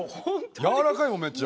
柔らかいもんめっちゃ。